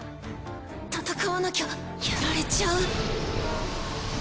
闘わなきゃやられちゃう